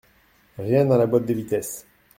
Rien à la boîte de vitesse.